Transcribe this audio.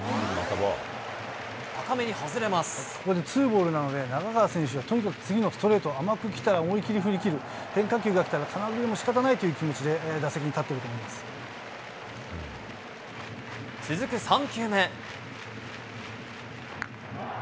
ここでツーボールなので、中川選手はとにかく次のストレートを甘く来たら思い切り振りきる、変化球が来たら空振りでもしかたないという気持ちで打席に立って続く３球目。